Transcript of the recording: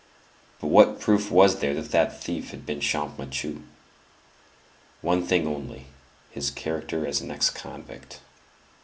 But what proof was there that that thief had been Champmathieu? One thing only. His character as an ex convict.